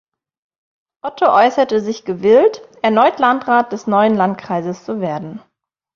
Otto äußerte sich gewillt, erneut Landrat des neuen Landkreises zu werden.